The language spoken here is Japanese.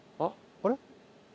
あれ？